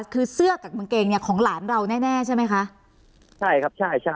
คือเสื้อกับกางเกงเนี่ยของหลานเราแน่แน่ใช่ไหมคะใช่ครับใช่ใช่